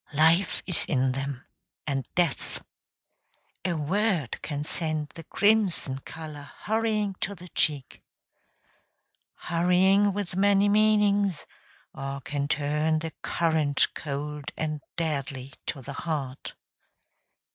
Life is in them, and death. A word can send The crimson colour hurrying to the cheek. Hurrying with many meanings; or can turn The current cold and deadly to the heart.